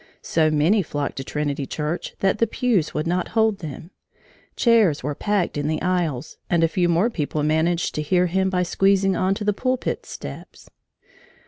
So many flocked to Trinity Church that the pews would not hold them. Chairs were packed in the aisles, and a few more people managed to hear him by squeezing on to the pulpit steps.